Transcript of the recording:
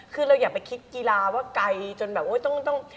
คือเราอย่าไปคิดกีฬาว่าไกลจนแบบต้อง